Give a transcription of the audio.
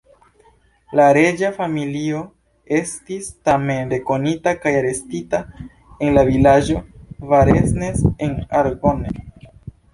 La reĝa familio estis tamen rekonita kaj arestita en la vilaĝo Varennes-en-Argonne.